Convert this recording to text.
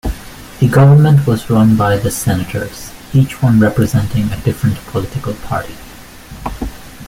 The government was run by the senators, each one representing a different political party.